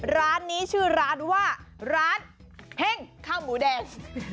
ร้านนี้ชื่อร้านว่าร้านเฮ่งข้าวหมูแดง